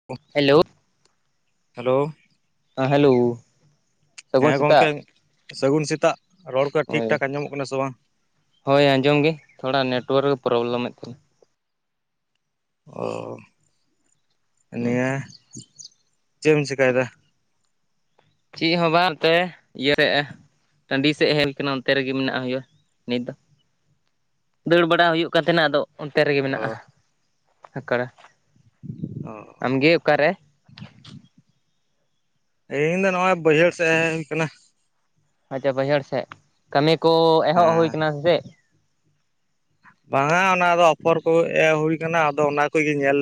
[inaudible] Hello hello ᱦᱮᱸ hello ᱦᱮᱸ ᱥᱟᱹᱜᱩᱱ ᱜᱚᱝᱠᱮ ᱥᱮᱛᱟᱜ ᱥᱟᱹᱜᱩᱱ ᱥᱮᱛᱟᱜ ᱾ ᱨᱚᱲ ᱠᱚ ᱴᱷᱤᱠ ᱦᱳᱭ ᱴᱷᱟᱠ ᱟᱸᱡᱚᱢᱚᱜ ᱠᱟᱱᱟ ᱥᱮ ᱵᱟᱝ? ᱦᱳᱭ ᱟᱸᱡᱚᱢ ᱜᱮ ᱛᱷᱚᱲᱟ ᱱᱮᱴᱣᱟᱨᱠ ᱯᱨᱚᱵᱞᱮᱢ ᱮᱫ ᱛᱟᱦᱮᱱᱟ ᱚ ᱱᱤᱭᱟᱹ ᱪᱮᱫ ᱮᱢ ᱪᱤᱠᱟᱭ ᱫᱟ? ᱪᱮᱫ ᱦᱚᱸ ᱵᱟᱝ ᱮᱱᱛᱮ ᱤᱭᱟᱹᱭᱮᱫᱼᱟ ᱴᱟᱺᱰᱤ ᱥᱮᱫ ᱦᱮᱡ ᱠᱟᱱᱟ ᱚᱱᱛᱮ ᱨᱮᱜᱮ ᱢᱮᱱᱟᱜ ᱦᱩᱭᱩᱜᱼᱟ ᱱᱤᱛ ᱫᱚ ᱫᱟᱹᱲ ᱵᱟᱲᱟ ᱦᱩᱭᱩᱜ ᱠᱟᱱ ᱛᱟᱦᱮᱱᱟ ᱟᱫᱚ ᱚᱱᱛᱮ ᱨᱮᱜᱮ ᱢᱮᱱᱟᱜᱼᱟ ᱚ ᱟᱠᱲᱟ ᱚ ᱤᱧ ᱫᱚ ᱱᱚᱜᱼᱚᱭ ᱵᱟᱹᱭᱦᱟᱹᱲ ᱥᱮᱫ ᱦᱮᱡ ᱦᱩᱭ ᱠᱟᱱᱟ ᱟᱪᱪᱷᱟ ᱵᱟᱹᱭᱦᱟᱹᱲ ᱥᱮᱫ ᱠᱟᱹᱢᱤ ᱠᱚ ᱮᱦᱚᱵ ᱦᱩᱭ ᱦᱮᱸ ᱟᱠᱟᱱᱟ ᱥᱮ ᱪᱮᱫ? ᱵᱟᱝ ᱟ ᱚᱱᱟ ᱫᱚ ᱚᱯᱷᱚᱨ ᱠᱚᱜᱮ ᱮ ᱦᱩᱭ ᱠᱟᱱᱟ ᱟᱫᱚ ᱚᱱᱟ ᱠᱚᱜᱮ ᱧᱮᱞ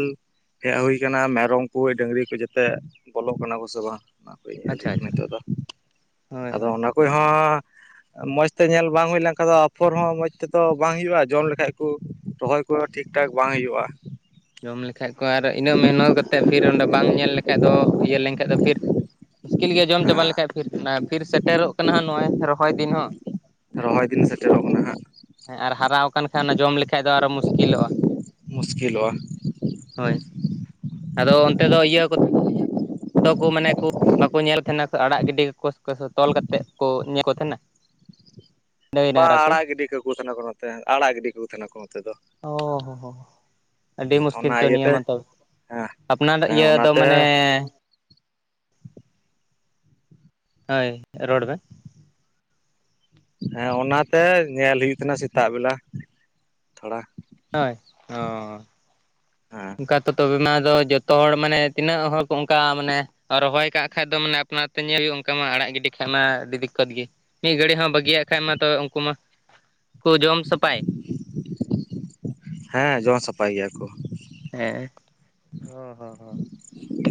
ᱦᱮᱡ ᱦᱩᱭ ᱟᱠᱟᱱᱟ ᱢᱮᱨᱚᱢ ᱠᱚ ᱰᱟᱹᱝᱨᱤ ᱠᱚ ᱡᱟᱛᱮ ᱵᱚᱞᱚᱜ ᱠᱟᱱᱟ ᱠᱚ ᱥᱮ ᱵᱟᱝ ᱚᱱᱟ ᱠᱚ ᱧᱮᱞ ᱟᱪᱪᱷᱟ ᱦᱩᱭᱩᱜ ᱠᱟᱱᱟ ᱟᱪᱪᱷᱟ ᱱᱤᱛᱚᱜ ᱫᱚ ᱦᱳᱭ ᱟᱫᱚ ᱦᱳᱭ ᱚᱱᱟ ᱠᱚ ᱯᱚᱭ ᱦᱚᱸ ᱢᱚᱸᱡᱽ ᱛᱮ ᱧᱮᱞ ᱵᱟᱝ ᱦᱩᱭ ᱞᱮᱱᱠᱷᱟᱱ ᱫᱚ ᱟᱯᱷᱚᱨ ᱦᱚᱸ ᱢᱚᱡᱽ ᱛᱮᱛᱚ ᱵᱟᱝ ᱦᱩᱭᱩᱜᱼᱟ ᱡᱚᱢ ᱞᱮᱠᱼᱼ ᱠᱷᱟᱡ ᱠᱚ ᱨᱚᱦᱚᱭ ᱠᱚ ᱴᱷᱤᱠ ᱴᱷᱟᱠ ᱵᱟᱝ ᱦᱩᱭᱩᱜᱼᱟ ᱡᱚᱢ ᱞᱮᱠᱷᱟᱡ ᱠᱚ ᱟᱨ ᱤᱱᱟᱹᱜ ᱢᱮᱦᱚᱱᱚᱛ ᱠᱟᱛᱮᱫ ᱯᱷᱤᱨ ᱚᱸᱰᱮ ᱵᱟᱝ ᱧᱮᱞ ᱞᱮᱠᱷᱟᱡ ᱫᱚ ᱤᱭᱟᱹ ᱞᱮᱱᱠᱷᱟᱡ ᱫᱚ ᱯᱷᱤᱨ ᱢᱩᱥᱠᱤᱞ ᱜᱮᱭᱟ ᱡᱚᱢ ᱪᱟᱵᱟ ᱦᱮᱸ ᱞᱮᱠᱷᱟᱡ ᱯᱷᱤᱨ, ᱯᱷᱤᱨ ᱥᱮᱴᱮᱨᱚᱜ ᱠᱟᱱᱟ ᱱᱚᱜᱼᱚᱭ ᱨᱚᱦᱚᱭ ᱫᱤᱱ ᱦᱚᱸ ᱨᱚᱦᱚᱭ ᱫᱤᱱ ᱥᱮᱴᱮᱨᱚᱜ ᱠᱟᱱᱟ ᱦᱟᱸᱜ ᱦᱮᱸ ᱟᱨ ᱦᱟᱨᱟᱣᱟᱠᱟᱱ ᱠᱷᱟᱡ ᱚᱱᱟ ᱡᱚᱢ ᱞᱮᱠᱷᱟᱡ ᱫᱚ ᱟᱨᱚ ᱢᱩᱥᱠᱤᱞᱚᱜᱼᱟ ᱢᱩᱥᱠᱤᱞᱚᱜᱼᱟ ᱦᱳᱭ ᱟᱫᱚ ᱚᱱᱛᱮ ᱫᱚ ᱤᱭᱟᱹ ᱠᱚ ᱫᱚ ᱠᱚ ᱢᱟᱱᱮ ᱠᱚ ᱵᱟᱠᱚ ᱧᱮᱞ ᱛᱟᱦᱮᱱᱟ ᱟᱲᱟᱜ ᱜᱤᱰᱤ ᱛᱚᱞ ᱠᱟᱛᱮᱫ ᱠᱚ ᱧᱮᱞ ᱠᱚ ᱛᱟᱦᱮᱱᱟ ᱜᱟᱹᱭ ᱵᱟᱝ ᱰᱟᱝᱨᱟ ᱠᱚ ᱟᱲᱟᱜ ᱜᱤᱰᱤ ᱠᱟᱠᱚ ᱛᱟᱦᱮᱱᱟ ᱠᱚ ᱱᱚᱛᱮ ᱟᱲᱟᱜ ᱜᱤᱰᱤ ᱠᱟᱠᱚ ᱛᱟᱦᱮᱱᱟ ᱠᱚ ᱱᱚᱛᱮ ᱫᱚ ᱚ ᱦᱚ ᱦᱚ ᱟᱹᱰᱤ ᱢᱩᱥᱠᱤᱞ ᱚᱱᱟ ᱛᱚ ᱤᱭᱟᱹᱛᱮ ᱱᱤᱭᱟᱹ ᱢᱟᱛᱚ ᱦᱮᱸ ᱟᱯᱱᱟᱨ ᱦᱮᱸ ᱤᱭᱟᱹ ᱫᱚ ᱚᱱᱟᱛᱮ ᱢᱟᱱᱮ ᱦᱳᱭ ᱨᱚᱲ ᱢᱮ ᱦᱮᱸ ᱚᱱᱟᱛᱮ ᱧᱮᱞ ᱦᱩᱭᱩᱜ ᱛᱟᱦᱮᱱᱟ ᱥᱮᱛᱟᱜ ᱵᱤᱞᱟ ᱛᱷᱚᱲᱟ ᱦᱳᱭ ᱚᱻ ᱦᱮᱸ ᱠᱟᱛᱮ ᱛᱚᱵᱮ ᱢᱟ ᱟᱫᱚ ᱡᱚᱛᱚ ᱦᱚᱲ ᱢᱟᱱᱮ ᱛᱤᱱᱟᱹᱜ ᱦᱚᱲ ᱠᱚ ᱚᱱᱠᱟ ᱢᱟᱱᱮ ᱟᱨ ᱨᱚᱦᱚᱭ ᱠᱟᱜ ᱠᱷᱟᱡ ᱫᱚ ᱢᱟᱱᱮ ᱟᱯᱱᱟᱨᱛᱮ ᱛᱮ ᱧᱮᱞ ᱦᱩᱭᱩᱜ ᱚᱱᱠᱟ ᱢᱟ ᱟᱲᱟᱜ ᱜᱤᱰᱤ ᱠᱷᱟᱡ ᱢᱟ ᱟᱹᱰᱤ ᱫᱤᱠᱠᱚᱛ ᱜᱮ ᱢᱤᱫ ᱜᱷᱟᱹᱲᱤ ᱦᱚᱸ ᱵᱟᱹᱜᱤᱭᱟᱜ ᱠᱷᱟᱱ ᱢᱟᱛᱚ ᱩᱱᱠᱩ ᱢᱟᱠᱚ ᱡᱚᱢ ᱥᱟᱯᱷᱟᱭ ᱦᱮᱸ ᱡᱚᱢ ᱥᱟᱯᱷᱟᱭ ᱜᱮᱭᱟ ᱠᱚ ᱦᱮᱸ ᱦᱩᱸ ᱦᱚᱸ ᱦᱚᱸ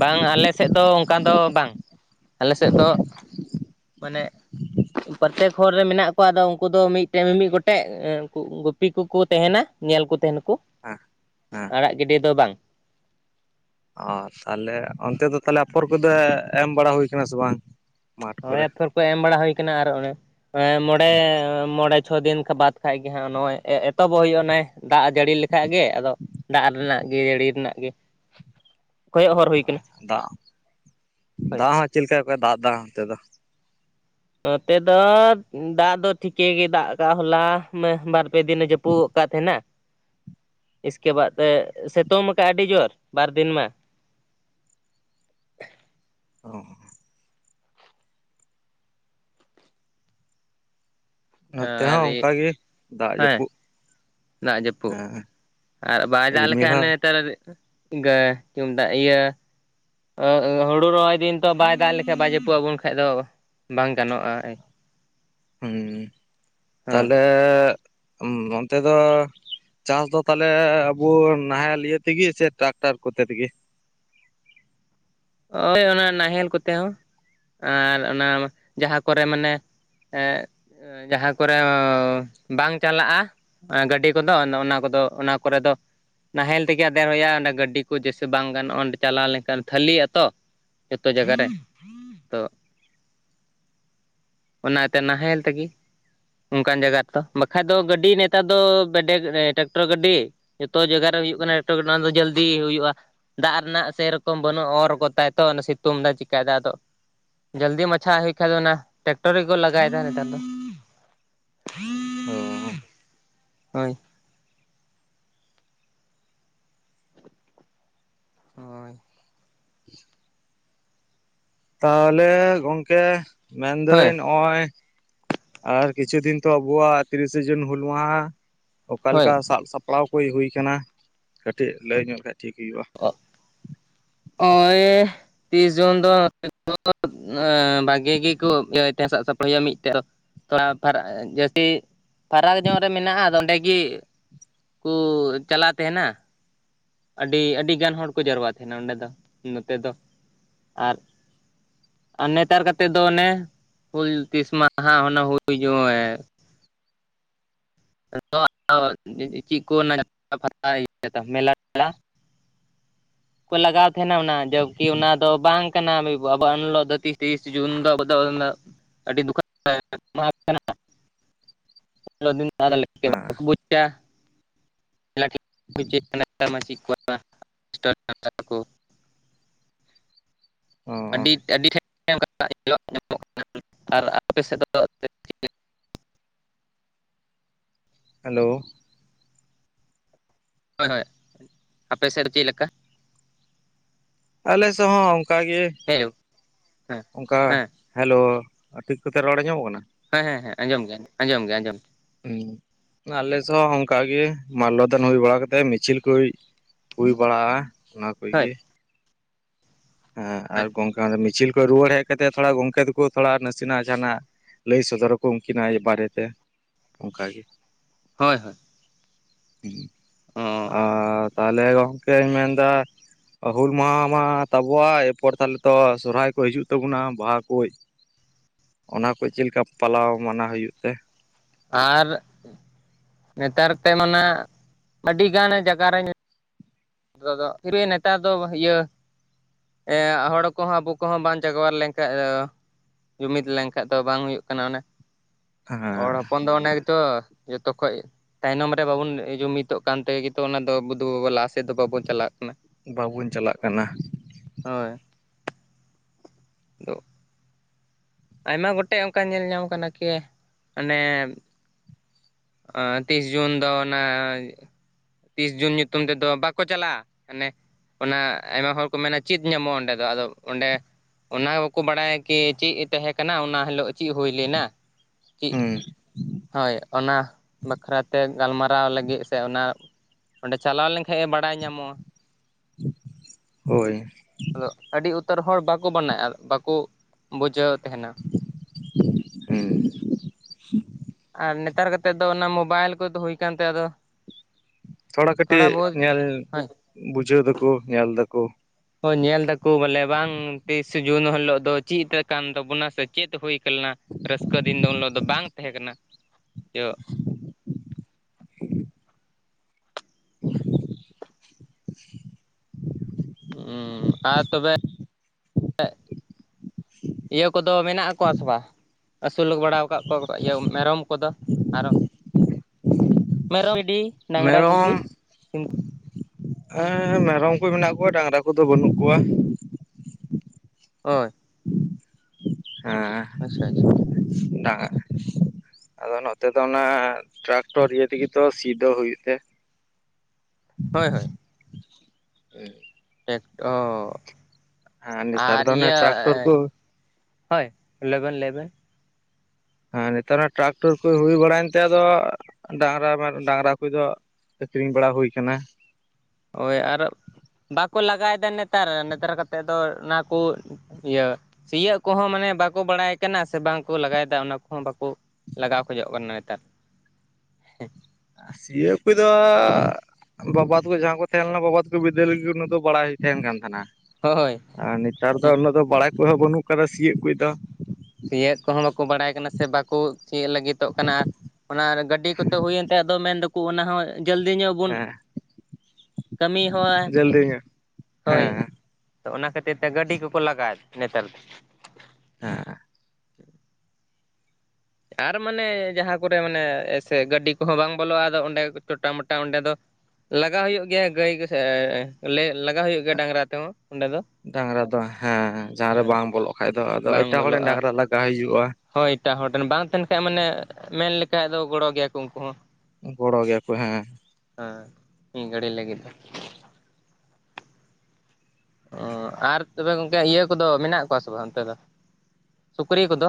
ᱵᱟᱝ ᱟᱞᱮᱥᱮᱫ ᱫᱚ ᱚᱱᱠᱟ ᱫᱚ ᱵᱟᱝ ᱟᱞᱮᱥᱮᱫ ᱫᱚ ᱢᱟᱱᱮ ᱯᱨᱚᱛᱮᱠ ᱦᱚᱨ ᱨᱮ ᱢᱮᱱᱟᱜ ᱠᱚᱣᱟ ᱟᱫᱚ ᱩᱱᱠᱩ ᱫᱚ ᱢᱤᱫᱴᱮᱡ ᱢᱤᱢᱤᱫ ᱜᱚᱴᱮᱡ ᱦᱮᱸ ᱩᱱᱠᱩ ᱜᱩᱯᱤ ᱠᱚᱠᱚ ᱛᱟᱦᱮᱱᱟ ᱧᱮᱞ ᱠᱚ ᱛᱟᱦᱮᱱᱟ ᱠᱚ ᱦᱮᱸ ᱦᱮᱸ ᱟᱲᱟᱜ ᱜᱤᱰᱤ ᱫᱚ ᱵᱟᱝ ᱚ ᱛᱟᱦᱚᱞᱮ ᱚᱱᱛᱮ ᱫᱚ ᱛᱟᱦᱚᱞᱮ ᱟᱯᱷᱚᱨ ᱠᱚᱫᱚ ᱮᱢ ᱵᱟᱲᱟ ᱦᱩᱭ ᱠᱟᱱᱟ ᱥᱮ ᱵᱟᱝ? ᱢᱟᱴᱷ ᱦᱮ ᱠᱚᱨᱮ ᱟᱯᱷᱚᱨ ᱠᱚ ᱮᱢ ᱵᱟᱲᱟ ᱦᱩᱭ ᱟᱠᱟᱱᱟ ᱟᱨ ᱚᱱᱮ ᱢᱚᱬᱮ ᱢᱚᱬᱮ ᱪᱷᱚ ᱫᱤᱱ ᱵᱟᱫ ᱠᱷᱟᱜ ᱜᱮ ᱦᱟᱸᱜ ᱱᱚᱜᱼᱚᱭ ᱮᱛᱚᱦᱚᱵᱚᱜ ᱦᱩᱭᱩᱜᱼᱟ ᱚᱱ ᱫᱟᱜ ᱡᱟᱹᱲᱤ ᱞᱮᱠᱷᱟᱡ ᱜᱮ ᱟᱫᱚ ᱫᱟᱜ ᱨᱮᱱᱟᱜ ᱜᱮ ᱡᱟᱹᱲᱤ ᱨᱮᱱᱟᱜ ᱜᱮ [unintelligible] ᱠᱚᱭᱚᱜ ᱦᱚᱨ ᱦᱩᱭ ᱟᱠᱟᱱᱟ ᱫᱟᱜ, ᱫᱟᱜ ᱦᱚᱸ ᱪᱮᱫ ᱞᱮᱠᱟ ᱠᱚ ᱫᱟᱜ ᱫᱟ ᱚᱱᱛᱮ ᱫᱚ ᱱᱚᱛᱮ ᱫᱚ ᱫᱟᱜ ᱫᱚ ᱴᱷᱤᱠᱮ ᱜᱮ ᱫᱟᱜ ᱟᱠᱟᱫ ᱦᱚᱞᱟ ᱵᱟᱨ ᱯᱮ ᱫᱤᱱ ᱡᱟᱹᱯᱩᱫ ᱟᱠᱟᱫ ᱛᱟᱦᱮᱸᱱᱟ ᱤᱥᱠᱮ ᱵᱟᱫ ᱛᱮ ᱥᱤᱛᱩᱝ ᱟᱠᱟᱜᱼᱟ ᱟᱹᱰᱤ ᱡᱳᱨ ᱵᱟᱨ ᱫᱤᱱ ᱢᱟ ᱦᱚᱸ ᱱᱚᱛᱮ ᱟᱨ ᱦᱚᱸ ᱚᱱᱠᱟᱜᱮ ᱫᱟᱜ ᱦᱮᱸ ᱡᱟᱹᱯᱩᱫ ᱫᱟᱜ ᱡᱟᱹᱯᱩᱫ, ᱦᱮᱸ ᱟᱨ ᱵᱟᱭ ᱫᱟᱜ ᱨᱤᱢᱤᱞ ᱞᱮᱠᱷᱟᱱᱮ ᱦᱚᱸ ᱱᱮᱛᱟᱨ [unintelligible] ᱪᱩᱢᱫᱟᱜ ᱤᱭᱟᱹ [unintelligible] ᱦᱩᱲᱩ ᱨᱚᱦᱚᱭ ᱫᱤᱱ ᱛᱚ ᱵᱟᱭ ᱫᱟᱜ ᱞᱮᱠᱷᱟᱱ ᱵᱟᱭ ᱡᱟᱹᱯᱩᱫ ᱟᱵᱚᱱ ᱠᱷᱟᱡ ᱫᱚ ᱵᱟᱝ ᱜᱟᱱᱚᱜᱼᱟ ᱦᱮᱸ ᱦᱮᱸ ᱛᱟᱦᱞᱮ ᱚᱱᱛᱮ ᱫᱚ ᱪᱟᱥ ᱫᱚ ᱛᱟᱦᱚᱞᱮ ᱟᱵᱚ ᱱᱟᱦᱮᱞ ᱤᱭᱟᱹ ᱛᱮᱜᱮ ᱥᱮ ᱴᱨᱟᱠᱴᱟᱨ ᱠᱚᱛᱮ ᱛᱮᱜᱮ ᱦᱭ ᱚᱱᱟ ᱱᱟᱦᱮᱞ ᱠᱚᱛᱮ ᱦᱚᱸ ᱟᱨ ᱚᱱᱟ ᱡᱟᱦᱟᱸ ᱠᱚᱨᱮ ᱢᱟᱱᱮ ᱮᱸᱜ ᱡᱟᱦᱟᱸ ᱠᱚᱨᱮ ᱵᱟᱝ ᱪᱟᱞᱟᱜᱼᱟ ᱜᱟᱹᱰᱤ ᱠᱚᱫᱚ ᱚᱱᱟ ᱠᱚᱫᱚ ᱚᱱᱟ ᱠᱚᱨᱮ ᱫᱚ ᱱᱟᱦᱮᱞ ᱛᱮᱜᱮ ᱟᱫᱮᱨ ᱦᱩᱭᱩ-ᱟ ᱚᱸᱰᱮ ᱜᱟᱹᱰᱤ ᱠᱚ ᱡᱮᱭᱮᱥᱮ ᱵᱟᱝ ᱜᱟᱱᱚᱜᱼᱟ ᱚᱸᱰᱮ ᱪᱟᱞᱟᱣ ᱞᱮᱱᱠᱷᱟᱱ ᱛᱷᱟᱹᱞᱤᱜᱼᱟ ᱛᱚ ᱡᱚᱛᱚ ᱡᱟᱭᱜᱟ ᱨᱮ ᱛᱚ ᱚᱱᱟᱛᱮ ᱱᱟᱦᱮᱞ ᱛᱮᱜᱮ ᱚᱱᱠᱟᱱ ᱡᱟᱭᱜᱟ ᱨᱮᱛᱚ ᱵᱟᱠᱷᱟᱡ ᱫᱚ ᱜᱟᱹᱰᱤ ᱱᱮᱛᱟᱨ ᱫᱚ ᱵᱮᱰᱮ ᱴᱨᱟᱠᱴᱚᱨ ᱜᱟᱹᱰᱤ ᱡᱚᱛᱚ ᱡᱟᱭᱜᱟ ᱨᱮ ᱦᱩᱭᱩᱜ ᱠᱟᱱᱟ ᱚᱱᱟ ᱫᱚ ᱡᱟᱞᱫᱤ ᱦᱩᱭᱩᱜᱼᱟ ᱫᱟᱜ ᱨᱮᱱᱟᱜ ᱥᱮᱨᱚᱠᱚᱢ ᱵᱟᱹᱱᱩᱜᱼᱟ ᱚᱨ ᱜᱚᱛᱟᱭ ᱛᱚ ᱥᱤᱛᱩᱝ ᱫᱟᱭ ᱪᱮᱠᱟᱭ ᱫᱟᱭ ᱟᱫᱚ ᱡᱟᱞᱫᱤ ᱢᱟᱪᱷᱟ ᱦᱩᱭᱩᱜ ᱠᱷᱟᱱ ᱫᱚ ᱚᱱᱟ ᱴᱨᱮᱠᱴᱚᱨ ᱨᱮᱠᱚ ᱞᱟᱜᱟᱭᱮᱫᱟ ᱱᱮᱛᱟᱨ ᱫᱚ [unintelligible] ᱦᱚᱻ ᱦᱳᱭ ᱦᱳᱭ ᱛᱟᱦᱚᱞᱮ ᱜᱚᱝᱠᱮ ᱦᱳᱭ ᱢᱮᱱᱫᱟᱹᱧ ᱱᱚᱜ.... ᱚᱭ ᱟᱨ ᱠᱤᱪᱷᱩ ᱫᱤᱱ ᱛᱚ ᱟᱵᱚᱣᱟᱜ ᱛᱤᱨᱤᱥᱮ ᱡᱩᱱ ᱦᱩᱞ ᱢᱟᱦᱟ ᱦᱳᱭ ᱚᱠᱟᱞᱮᱠᱟ ᱥᱟᱵ ᱥᱟᱯᱲᱟᱣ ᱠᱚ ᱦᱩᱭ ᱠᱟᱱᱟ ᱠᱟᱹᱴᱤᱡ ᱞᱟᱹᱭ ᱧᱚᱜᱠᱷᱟᱡ ᱴᱷᱤᱠ ᱦᱩᱭᱩᱜᱼᱟ ᱚᱜ ᱚᱭ ᱛᱤᱥ ᱡᱩᱱ ᱫᱚ [unintelligible] ᱟᱸᱻ ᱵᱷᱟᱜᱤ ᱜᱮᱠᱚ ᱛᱮ ᱥᱟᱵ ᱥᱟᱯᱲᱟᱶ [unintelligible] ᱢᱤᱫᱴᱮᱡ ᱛᱷᱚᱲᱟ ᱡᱟᱹᱥᱛᱤ [unintelligible] ᱯᱷᱟᱨᱟᱠ ᱧᱚᱜ ᱨᱮ ᱢᱮᱱᱟᱜᱼᱟ ᱟᱫᱚ ᱚᱸᱰᱮᱜᱤ ᱠᱩ ᱪᱟᱞᱟᱜ ᱛᱟᱦᱮᱱᱟ ᱟᱹᱰᱤ ᱟᱹᱰᱤ ᱜᱟᱱ ᱦᱚᱲ ᱠᱚ ᱡᱟᱣᱨᱟ ᱛᱟᱦᱮᱱᱟ ᱚᱸᱰᱮ ᱫᱚ ᱱᱚᱛᱮ ᱫᱚ ᱟᱨ ᱟᱨ ᱱᱮᱛᱟᱨ ᱠᱟᱛᱮᱫ ᱫᱚ ᱚᱱᱮ ᱦᱩᱞ ᱛᱤᱥ ᱢᱟᱦᱟ ᱚᱱᱮ ᱦᱩᱭ ᱡᱚᱦᱮ [unintelligible] ᱪᱮᱫ ᱠᱚ ᱚᱱᱟ [unintelligible] ᱢᱮᱞᱟ ᱴᱷᱮᱞᱟ [inaudible] ᱠᱚ ᱞᱟᱜᱟᱣ ᱛᱟᱦᱮᱱᱟ ᱚᱱᱟ ᱡᱚᱵᱠᱤ ᱚᱱᱟ ᱫᱚ ᱵᱟᱝ ᱠᱟᱱᱟ ᱟᱵᱚ ᱮᱱ ᱦᱤᱞᱳᱜ ᱫᱚ ᱛᱤᱥ ᱛᱤᱥ ᱡᱩᱱ ᱫᱚ [unintelligible] ᱟᱹᱰᱤ ᱫᱩᱠᱟᱱ [unintelligible] ᱠᱟᱱᱟ [unintelligible] [unintelligible] ᱚᱱᱟ ᱦᱮᱸ [unintelligible] ᱵᱟᱠᱚ ᱵᱩᱡᱟ ᱪᱮᱫ ᱠᱟᱱᱟ [unintelligible] ᱚ ᱟᱹᱰᱤ ᱟᱹᱰᱤ ᱴᱷᱮᱱ ᱚᱱᱠᱟ ᱧᱮᱞ ᱧᱟᱢᱚᱜ ᱠᱟᱱᱟ ᱟᱨ ᱟᱯᱮ ᱥᱮᱫ ᱫᱚ [unintelligible] ᱦᱮᱞᱳ ᱦᱳᱭ ᱦᱳᱭ ᱟᱯᱮ ᱥᱮᱫ ᱫᱚ ᱪᱮᱫ ᱞᱮᱠᱟ ᱟᱞᱮ ᱥᱮᱫ ᱦᱚᱸ ᱚᱱᱠᱟᱜ ᱜᱮ ᱦᱮᱞᱳ ᱦᱮᱸ ᱚᱱᱠᱟ ᱦᱮᱸ ᱦᱮᱞᱳ ᱴᱷᱤᱠ ᱠᱚᱛᱮ ᱨᱚᱲ ᱟᱡᱚᱢᱚᱜ ᱠᱟᱱᱟ ᱦᱮᱸ ᱦᱮᱸ ᱦᱮᱸ ᱟᱸᱡᱚᱢ ᱜᱮ ᱟᱸᱡᱚᱢ ᱜᱮ ᱟᱸᱡᱚᱢ ᱦᱩᱸ ᱟᱞᱮ ᱥᱮᱫ ᱦᱚᱸ ᱚᱱᱠᱟ ᱜᱮ ᱢᱟᱞᱚ ᱫᱟᱱ ᱦᱩᱭ ᱵᱟᱲᱟ ᱠᱟᱛᱮᱫ ᱢᱤᱪᱷᱤᱞ ᱠᱩ ᱦᱩᱭ ᱦᱩᱭ ᱵᱟᱲᱟᱜᱼᱟ ᱚᱱᱟ ᱠᱚᱜ ᱦᱳᱭ ᱜᱮ ᱦᱮᱸ ᱦᱳᱭ ᱟᱨ ᱜᱚᱝᱠᱮ ᱚᱱᱮ ᱢᱤᱪᱷᱤᱞ ᱠᱚ ᱨᱩᱣᱟᱹᱲ ᱦᱮᱡ ᱠᱟᱛᱮ ᱛᱷᱚᱲᱟ ᱜᱚᱝᱠᱮ ᱛᱟᱠᱚ ᱛᱷᱚᱲᱟ ᱱᱟᱥᱮᱱᱟᱜ ᱡᱟᱦᱟᱱᱟᱜ ᱞᱟᱹᱭ ᱥᱚᱫᱚᱨ ᱟᱠᱚ ᱩᱱᱠᱤᱱᱟᱜ ᱮ ᱵᱟᱨᱮ ᱛᱮ ᱚᱱᱠᱟᱜ ᱜᱮ ᱦᱳᱭ ᱦᱳᱭ ᱟᱨ ᱛᱟᱦᱚᱞᱮ ᱜᱚᱢᱠᱮᱧ ᱢᱮᱱᱫᱟ ᱦᱩᱞ ᱢᱟᱦᱟ ᱢᱟ ᱛᱟᱵᱚᱣᱟᱜ ᱮᱨᱯᱚᱨ ᱛᱟᱦᱚᱞᱮ ᱛᱚ ᱥᱚᱦᱚᱨᱟᱭ ᱠᱚ ᱦᱤᱡᱩᱜ ᱛᱟᱵᱚᱱᱟ ᱵᱟᱦᱟ ᱠᱚ ᱚᱱᱟ ᱠᱚ ᱪᱮᱫ ᱞᱮᱠᱟ ᱯᱟᱞᱟᱣ ᱢᱟᱱᱟᱣ ᱦᱩᱭᱩᱜ ᱛᱮ? ᱟᱨ ᱱᱮᱛᱟᱨ ᱛᱮ ᱚᱱᱟ ᱟᱹᱰᱤᱜᱟᱱ ᱡᱟᱭᱜᱟ ᱨᱮ ᱱᱤᱛᱚᱜ ᱫᱚ ᱯᱷᱤᱨ ᱱᱮᱛᱟᱨ ᱫᱚ ᱤᱭᱟᱹ ᱮᱻ ᱦᱚᱲ ᱠᱚᱦᱚᱸ ᱟᱵᱚ ᱠᱚᱦᱚᱸ ᱵᱟᱝ ᱡᱟᱸᱟᱜᱚᱣᱟ ᱞᱮᱱᱠᱷᱟᱱ ᱫᱚ ᱡᱩᱢᱤᱫ ᱞᱮᱱᱠᱷᱟᱡ ᱫᱚ ᱵᱟᱝ ᱦᱩᱭᱩᱜ ᱠᱟᱱᱟ ᱚᱱᱮ ᱦᱚᱲ ᱦᱮᱸ ᱦᱚᱯᱚᱱ ᱫᱚ ᱚᱱᱮ ᱜᱮᱛᱚ ᱡᱚᱛᱚ ᱠᱷᱚᱡ ᱛᱟᱭᱱᱚᱢ ᱨᱮ ᱵᱟᱵᱚᱱ ᱡᱩᱢᱤᱫᱚᱜ ᱠᱟᱱᱛᱮᱜᱮ ᱚᱱᱟ ᱫᱚ ᱵᱩᱫᱷᱩ ᱵᱟᱵᱩ ᱞᱟᱥᱴ ᱪᱮᱫ ᱫᱚ ᱵᱟᱵᱚᱱ ᱪᱟᱞᱟᱜ ᱠᱟᱱᱟ᱾ ᱵᱟᱵᱚᱱ ᱪᱟᱞᱟᱜ ᱠᱟᱱᱟ ᱦᱳᱭ ᱟᱭᱢᱟ ᱜᱚᱴᱮᱡ ᱚᱱᱠᱟ ᱧᱮᱞ ᱧᱟᱢ ᱠᱟᱱᱟ ᱠᱤ ᱚᱱᱮ ᱛᱤᱥ ᱡᱩᱱ ᱫᱚ ᱚᱱᱟ ᱛᱤᱥ ᱡᱩᱱ ᱧᱩᱛᱩᱢ ᱛᱮᱫᱚ ᱵᱟᱠᱚ ᱪᱟᱞᱟᱜᱼᱟ ᱢᱟᱱᱮ ᱚᱱᱟ ᱟᱭᱢᱟ ᱦᱚᱲ ᱠᱚ ᱢᱮᱱᱟ ᱪᱮᱫ ᱧᱟᱢᱚᱜᱼᱟ ᱚᱸᱰᱮ ᱫᱚ ᱟᱫᱚ ᱚᱸᱰᱮ ᱚᱱᱟ ᱵᱟᱠᱚ ᱵᱟᱰᱟᱭᱟ ᱠᱤ ᱪᱮᱫ ᱮ ᱛᱟᱦᱮᱸ ᱠᱟᱱᱟ ᱚᱱᱟ ᱦᱤᱞᱳᱜ ᱪᱮᱫ ᱦᱩᱭ ᱞᱮᱱᱟ ᱪᱮᱫ ᱦᱩᱸ ᱦᱳᱭ ᱚᱱᱟ ᱵᱟᱠᱷᱨᱟ ᱛᱮ ᱜᱟᱞᱢᱟᱨᱟᱣ ᱞᱟᱹᱜᱤᱫ ᱥᱮ ᱚᱱᱟ ᱚᱸᱰᱮ ᱪᱟᱞᱟᱣ ᱞᱮᱱᱠᱷᱟᱡ ᱜᱮ ᱵᱟᱲᱟᱭ ᱧᱟᱢᱚᱜᱼᱟ᱾ ᱦᱳᱭ ᱟᱫᱚ ᱟᱹᱰᱤ ᱩᱛᱟᱹᱨ ᱦᱚᱲ ᱵᱟᱠᱚ ᱵᱟᱱᱟᱼᱟ ᱵᱟᱠᱚ ᱵᱩᱡᱷᱟᱹᱣ ᱛᱟᱦᱮᱱᱟ ᱦᱮᱸ ᱟᱨ ᱱᱮᱛᱟᱨ ᱠᱟᱛᱮᱜ ᱫᱚ ᱚᱱᱟ ᱢᱳᱵᱟᱭᱤᱞ ᱠᱚᱫᱚ ᱦᱩᱭ ᱵᱷᱮᱜᱟᱨ ᱠᱟᱱᱛᱮ ᱟᱫᱚ ᱛᱷᱚᱲᱟ ᱠᱟᱹᱴᱤᱡ ᱧᱮᱞ ᱦᱳᱭ ᱵᱩᱡᱷᱟᱹᱣ ᱫᱟᱠᱚ ᱧᱮᱞ ᱮᱫᱟᱠᱩ ᱦᱳᱭ ᱧᱮᱞ ᱫᱟᱠᱚ ᱵᱚᱞᱮ ᱵᱟᱝ ᱛᱤᱥᱥᱮ ᱡᱩᱱ ᱦᱤᱞᱳᱜ ᱫᱚ ᱪᱮᱫ ᱠᱟᱱ ᱛᱟᱵᱚᱱᱟ ᱥᱮ ᱪᱮᱫ ᱦᱩᱭ ᱞᱮᱱᱟ ᱨᱟᱹᱥᱠᱟᱹ ᱫᱤᱱ ᱫᱚ ᱩᱱ ᱦᱤᱞᱳᱜ ᱫᱚ ᱵᱟᱝ ᱛᱟᱦᱮᱸ ᱠᱟᱱᱟ ᱡᱚ ᱟᱨ ᱛᱚᱵᱮ ᱤᱭᱟᱹ ᱠᱚᱫᱚ ᱢᱮᱱᱟᱜ ᱠᱚᱣᱟ ᱥᱮ ᱵᱟᱝ ᱟᱹᱥᱩᱞ ᱵᱟᱲᱟᱟᱣ ᱟᱠᱟᱫ ᱠᱚᱣᱟ ᱤᱭᱟᱹ ᱢᱮᱨᱚᱢ ᱠᱚᱫᱚ ᱟᱨᱚ? ᱢᱮᱨᱚᱢ ᱜᱤᱰᱤ ᱰᱟᱝᱨᱟ ᱠᱚᱜᱤ ᱦᱮᱸ ᱢᱮᱨᱚᱢ ᱠᱚ ᱢᱮᱱᱟᱜ ᱠᱚᱣᱟ ᱰᱟᱝᱨᱟ ᱠᱚᱫᱚ ᱵᱟᱹᱱᱩᱜ ᱠᱚᱣᱟ᱾ ᱦᱳᱭ ᱦᱮᱸ ᱟᱪᱪᱷᱟ ᱟᱪᱪᱷᱟ ᱰᱟᱸ ᱟᱫᱚ ᱱᱚᱛᱮ ᱫᱚ ᱚᱱᱟ ᱴᱨᱟᱠᱴᱚᱨ ᱤᱭᱟᱹ ᱛᱮᱜᱮᱛᱚ ᱥᱤᱫ ᱦᱳᱭ ᱛᱮ, ᱦᱳᱭ ᱦᱳᱭ ᱦᱮᱸ ᱱᱮᱛᱟᱨ ᱴᱮᱠᱴᱟᱨ ᱫᱚ ᱚᱱᱮ ᱤᱭᱟᱹ ᱴᱨᱟᱠᱴᱚᱨ ᱠᱚ ᱦᱳᱭ ᱞᱤᱵᱮᱱ ᱞᱤᱵᱮᱱ ᱦᱮᱸ ᱱᱮᱛᱟᱨ ᱢᱟ ᱴᱨᱟᱠᱴᱩᱨ ᱠᱚ ᱦᱩᱭ ᱵᱟᱲᱟᱭᱮᱱᱛᱮ ᱟᱫᱚ ᱰᱟᱝᱨᱟ ᱰᱟᱝᱨᱟ ᱠᱚᱫᱚ ᱟᱠᱷᱨᱤᱧ ᱵᱟᱲᱟ ᱦᱩᱭ ᱟᱠᱟᱱᱟ᱾ ᱦᱳᱭ ᱟᱨ ᱵᱟᱠᱚ ᱞᱟᱜᱟᱭᱮᱫᱟ ᱱᱮᱛᱟᱨ ᱱᱮᱛᱟᱨ ᱠᱟᱛᱮᱫ ᱫᱚ ᱚᱱᱟ ᱠᱚ, ᱤᱭᱟᱹ ᱥᱤᱭᱳᱜ ᱠᱚᱦᱚᱸ ᱢᱟᱱᱮ ᱵᱟᱠᱚ ᱵᱟᱲᱟᱭ ᱠᱟᱱᱟ ᱥᱮ ᱵᱟᱝᱠᱚ ᱞᱟᱜᱟᱭᱮᱫᱟ ᱚᱱᱟ ᱠᱚᱦᱚᱸ ᱵᱟᱠᱚ, ᱞᱟᱜᱟᱣ ᱠᱷᱚᱡᱚᱜ ᱠᱟᱱᱟ ᱱᱮᱛᱟᱨ ᱥᱤᱭᱟᱹ ᱠᱚᱫᱚ ᱵᱟᱵᱟ ᱛᱟᱠᱚ ᱡᱟᱦᱟᱸ ᱠᱚ ᱛᱟᱦᱮᱸ ᱞᱮᱱᱟ ᱵᱟᱵᱟ ᱛᱟᱠᱚ ᱵᱤᱫᱟᱹᱞ ᱞᱟᱹᱜᱤᱫ ᱩᱱᱟᱹᱜ ᱫᱚ ᱵᱟᱲᱟᱭ ᱦᱩᱭ ᱛᱟᱦᱮᱱ ᱠᱟᱱ ᱛᱟᱦᱮᱱᱟ ᱦ ᱦᱳᱭ ᱟᱨ ᱱᱮᱛᱟᱨ ᱫᱚ ᱩᱱᱟᱹᱜ ᱫᱚ ᱵᱟᱲᱟᱭ ᱠᱚᱦ ᱵᱟᱹᱱᱩᱜ ᱟᱠᱟᱫᱟ ᱥᱤᱭᱜ ᱠᱚᱫᱚ ᱥᱤᱭᱳᱜ ᱠᱚᱦᱚᱸ ᱵᱟᱠᱚ ᱵᱟᱲᱟᱭ ᱠᱟᱱᱟ ᱥᱮ ᱵᱟᱠᱚ ᱛᱤᱭᱳ ᱞᱟᱹᱜᱤᱫᱚᱜ ᱠᱟᱱᱟ ᱚᱱᱟ ᱜᱟᱹᱰᱤ ᱠᱚᱛᱮ ᱦᱩᱭᱮᱱ ᱛᱟᱭ ᱟᱫᱚ ᱢᱮᱱ ᱫᱟᱠᱚ ᱚᱱᱟ ᱦᱚᱸ ᱡᱚᱞᱫᱤ ᱧᱚᱜ, ᱵᱚᱱ ᱦᱮᱸ ᱠᱟᱹᱢᱤ ᱦᱚᱸᱣᱟ ᱡᱚᱞᱫᱤ ᱧᱚᱜ ᱦᱳᱭ ᱦᱮᱸ ᱛᱚ ᱚᱱᱟ ᱠᱷᱟᱹᱛᱤᱨ ᱛᱮ ᱜᱟᱹᱰᱤ ᱠᱚᱠᱚ ᱞᱟᱜᱟᱣᱮᱫ ᱱᱮᱛᱟᱨ ᱫᱚ, ᱦᱮᱸ ᱟᱨ ᱢᱟᱱᱮ ᱡᱟᱦᱟᱸ ᱠᱚᱨᱮ ᱢᱟᱱᱮ ᱥᱮ ᱜᱟᱹᱰᱤ ᱠᱚᱦᱚᱸ ᱵᱟᱝ ᱵᱚᱞᱚᱜᱼᱟ ᱟᱫᱚ ᱚᱸᱰᱮ ᱩᱷᱚᱴᱟ ᱢᱚᱴᱟ ᱚᱸᱰᱮ ᱫᱚ, ᱞᱟᱜᱟᱣ ᱦᱩᱭᱩᱜ ᱜᱮᱭᱟ ᱜᱟᱹᱭ ᱞᱟᱜᱟᱣ ᱦᱩᱭᱩᱜ ᱜᱮᱭᱟ ᱰᱟᱝᱨᱟ ᱛᱮᱦᱚᱸ ᱚᱸᱰᱮ ᱫᱚ, ᱰᱟᱝᱨᱟ ᱫᱚ ᱦᱮᱸ ᱡᱟᱦᱟᱸ ᱨᱮ ᱦᱮᱸ ᱵᱟᱝ ᱵᱚᱞᱚᱜ ᱠᱷᱟᱡ ᱫᱚ ᱟᱫᱚ ᱵᱟᱝ ᱮᱴᱟᱜ ᱦᱚᱲ ᱨᱮᱱ ᱵᱚᱞᱚᱜᱼᱟ ᱰᱟᱝᱨᱟ ᱞᱟᱜᱟ ᱦᱩᱭᱩᱜᱼᱟ, ᱦᱳᱭ ᱮᱴᱟᱜ ᱦᱚᱲᱮᱱ ᱵᱟᱝ ᱛᱟᱦᱮᱱ ᱠᱷᱟᱡ ᱢᱟᱱᱮ ᱢᱮᱱ ᱞᱮᱠᱷᱟᱡ ᱫᱚ ᱜᱚᱲᱚ ᱜᱮᱭᱟ ᱠᱚ ᱩᱱᱠᱩ ᱦᱚᱸ ᱜᱚᱲᱚ ᱜᱮᱭᱟᱠᱚ ᱦᱮᱸ ᱦᱮᱸ ᱢᱤᱫ ᱜᱟᱹᱟᱹᱲ ᱞᱟᱹᱜᱤᱫ ᱫᱚ, ᱚ ᱟᱨ ᱛᱚᱵᱮ ᱜᱚᱝᱠᱮ ᱤᱭᱟᱹ ᱠᱚᱫᱚ ᱢᱮᱱᱟᱜ ᱠᱚᱣᱟ ᱥᱮ ᱵᱟᱝ ᱚᱱᱛᱮ ᱫᱚ ᱥᱩᱠᱨᱤ ᱠᱚᱫᱚ,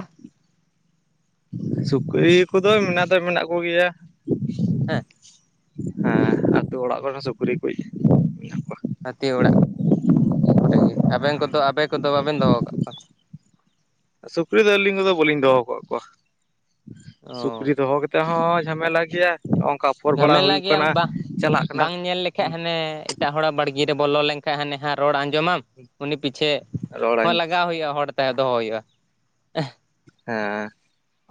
ᱥᱩᱠᱨᱤ ᱠᱚᱫᱚ ᱢᱮᱱᱟᱜ ᱫᱚ ᱢᱮᱱᱟᱜ ᱠᱚᱜᱮᱭᱟ, ᱦᱮᱸ ᱦᱮᱸ ᱟᱛᱩ ᱚᱲᱟᱜ ᱠᱚᱨᱮ ᱦᱚᱸ ᱥᱩᱠᱨᱤ ᱠᱚ ᱢᱮᱱᱟᱜ ᱠᱚ ᱦᱟᱹᱛᱤ ᱚᱲᱟᱜ ᱠᱚᱨᱮ ᱜᱮ ᱟᱵᱮᱱ ᱠᱚᱫᱚ ᱟᱵᱮᱱ ᱠᱚᱫᱚ ᱵᱟᱵᱮᱱ ᱫᱚᱦᱚ ᱟᱠᱟᱫ ᱠᱚᱣᱟ, ᱥᱩᱠᱨᱤ ᱫᱚ ᱟᱹᱞᱤᱧ ᱠᱚᱫᱚ ᱵᱟᱹᱞᱤᱧ ᱫᱚᱦᱚ ᱟᱠᱟᱫ ᱠᱚᱣᱟ ᱚ ᱥᱩᱠᱨᱤ ᱫᱚᱦᱚ ᱛᱮᱫ ᱛᱮᱦᱚᱸ ᱡᱷᱟᱢᱮᱞᱟ ᱜᱮᱭᱟ ᱱᱚᱜᱝᱠᱟ ᱚᱯᱷᱚᱨ ᱵᱟᱲᱟ ᱦᱩᱭᱩᱜ ᱠᱟᱱᱟ ᱪᱟᱞᱟᱜ ᱠᱟᱱᱟ ᱮᱠᱷᱟᱡ ᱦᱟᱱᱮ ᱮᱴᱟᱜ ᱦᱚᱲᱟᱜ ᱵᱟᱲᱜᱮ ᱵᱚᱞᱚ ᱞᱮᱱᱠᱷᱟᱡ ᱦᱟᱱᱮ ᱦᱟᱸ ᱨᱚᱲ ᱟᱸᱡᱚᱢᱟᱢ ᱩᱱᱤ ᱯᱤᱪᱷᱮ ᱦᱚᱸ ᱨᱚᱲᱟᱹᱧ ᱞᱟᱜᱟᱣ ᱦᱩᱭᱩᱜᱼᱟ ᱦᱚᱲ ᱛᱟᱦᱮᱸ ᱫᱚᱦᱚ ᱦᱩᱭᱩᱜᱼᱟ ᱦᱮᱸ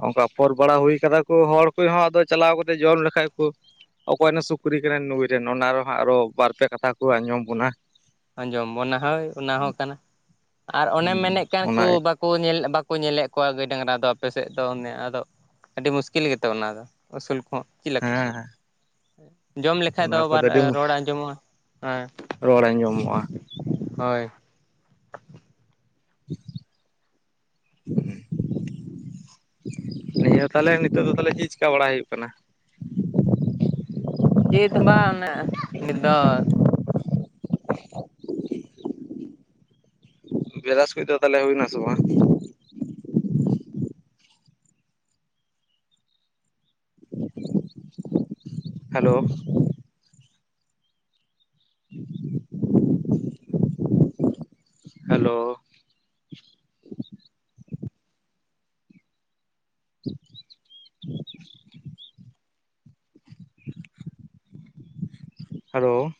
ᱚᱱᱠᱟ ᱟᱯᱷᱚᱚᱨ ᱵᱟᱲᱟ ᱦᱩᱭ ᱠᱟᱫᱟ ᱠᱚ ᱦᱚᱲ ᱠᱚᱦᱚ ᱟᱫᱚ ᱪᱟᱞᱟᱣ ᱠᱟᱛᱮᱜ ᱡᱚᱢ ᱞᱮᱠᱷᱟᱡ ᱠᱚ, ᱚᱠᱚᱭᱮᱱ ᱥᱩᱠᱨᱤ ᱠᱟᱱᱟᱭ ᱱᱩᱭ ᱨᱮᱱ ᱚᱱᱟ ᱨᱮᱦᱟᱸᱜ ᱟᱨᱚ ᱵᱟᱨ ᱯᱮ ᱠᱟᱛᱷᱟ ᱠᱚ ᱟᱸᱡᱚᱢ ᱵᱚᱱᱟ, ᱟᱸᱡᱚᱢ ᱚᱱᱟ ᱦᱳᱭ ᱚᱱᱟ ᱦᱚᱸ ᱠᱟᱱᱟ ᱟᱨ ᱚᱱᱮᱢ ᱢᱮᱱᱮᱫ ᱠᱟᱱ ᱠᱚ ᱚᱱᱟ ᱵᱟᱠᱚ ᱠᱚ ᱧᱮᱞ ᱵᱟᱠᱚ ᱧᱮᱞᱮᱫ ᱠᱚᱣᱟ ᱜᱟᱹᱭ ᱰᱟᱝᱨᱟ ᱫᱚ ᱟᱯᱮᱥᱮᱫ ᱫᱚ ᱚᱱᱮ ᱟᱫᱚ ᱟᱹᱰᱤ ᱢᱩᱥᱠᱤᱞ ᱜᱮᱛᱚ ᱚᱱᱟ ᱫᱚ ᱟᱹᱥᱩᱞ ᱠᱚᱦᱚᱸ ᱪᱮᱫ ᱞᱮᱠᱟ ᱦᱮᱸ ᱡᱚᱢ ᱞᱮᱠᱷᱟᱡ ᱫᱚ ᱚᱱᱟ ᱟᱵᱟᱨ ᱠᱚᱫᱚ ᱟᱹᱰᱤ ᱨᱚᱲ ᱟᱸᱡᱚᱢᱚᱜᱼᱟ ᱦᱮᱸ ᱨᱚᱲ ᱟᱸᱡᱚᱢᱚᱜᱼᱟ ᱦᱳᱭ ᱦᱩᱸ ᱱᱤᱭᱟᱹ ᱛᱟᱦᱞᱮ ᱱᱤᱛᱳᱜ ᱫᱚ ᱛᱟᱞᱦᱮ ᱪᱮᱫ ᱪᱮᱠᱟ ᱵᱟᱲᱟ ᱦᱩᱭᱩᱜ ᱠᱟᱱᱟ, ᱪᱮᱛ ᱵᱟᱝ ᱢᱟᱱᱮ ᱱᱤᱛᱚᱝ ᱵᱨᱟᱥ ᱠᱚ ᱫᱚ ᱛᱟᱦᱚᱞᱮ ᱦᱩᱭᱱᱟ ᱥᱮ ᱵᱟᱝ, ᱦᱮᱞᱳ ᱦᱮᱞᱳ [inaudible] ᱦᱮᱞᱳ